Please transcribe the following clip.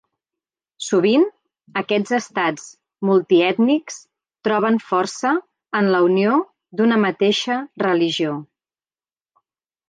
Sovint, aquests estats multiètnics troben força en la unió d'una mateixa religió.